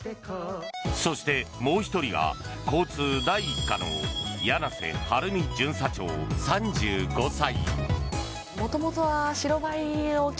そして、もう１人が交通第１課の柳瀬晴美巡査長、３５歳。